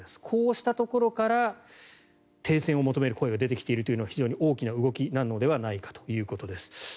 こうしたところから停戦を求める声が出てきているのは非常に大きな動きなのではないかということです。